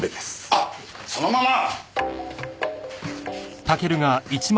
あっそのまま！